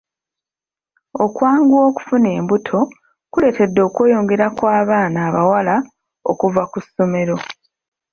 Okwanguwa okufuna embuto kuleetedde okweyongera kw'abaana abawala okuva ku ssomero.